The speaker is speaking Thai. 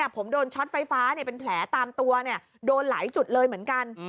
ผมโดนช็อตไฟฟ้าเป็นแผลตามตัวโดนหลายจุดเลยเหมือนกัน